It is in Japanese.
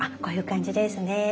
こういう感じですね。